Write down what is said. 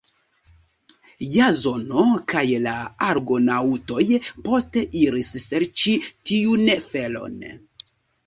Jazono kaj la Argonaŭtoj poste iris serĉi tiun felon.